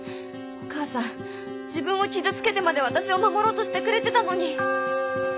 お母さん自分を傷つけてまで私を守ろうとしてくれてたのに。